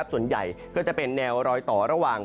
ส่วนใหญ่ก็จะเป็นแนวรอยต่อระหว่าง